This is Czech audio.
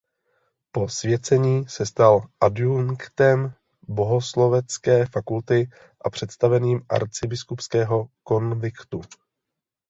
Po svěcení se stal adjunktem bohoslovecké fakulty a představeným arcibiskupského konviktu.